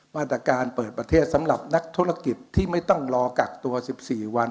มาตรการเปิดประเทศสำหรับนักธุรกิจที่ไม่ต้องรอกักตัว๑๔วัน